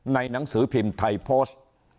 หนังสือพิมพ์ไทยโพสต์